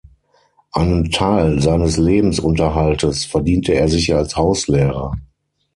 Einen Teil seines Lebensunterhaltes verdiente er sich als Hauslehrer.